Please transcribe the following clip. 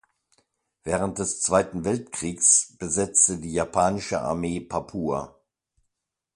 Während des Zweiten Weltkriegs besetzte die japanische Armee Papua.